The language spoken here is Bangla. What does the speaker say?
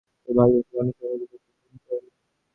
তবে ভারতবর্ষ কখনও সমগ্রভাবে বৌদ্ধধর্ম গ্রহণ করেনি।